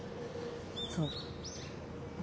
そう。